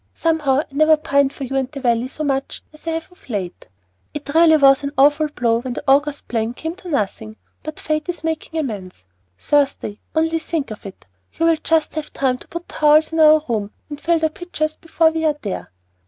Somehow I never pined for you and the valley so much as I have of late. It was really an awful blow when the August plan came to nothing, but Fate is making amends. Thursday! only think of it! You will just have time to put towels in our rooms and fill the pitchers before we are there.